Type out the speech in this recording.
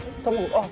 あっ！